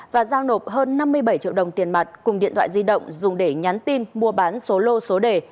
và giao nộp hơn năm mươi bảy triệu đồng tiền mặt cùng điện thoại di động dùng để nhắn tin mua bán số lô số đề